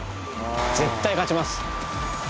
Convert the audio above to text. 絶対勝ちます。